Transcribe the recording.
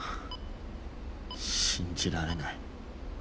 信じられない。